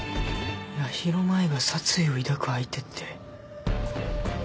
八尋舞が殺意を抱く相手って。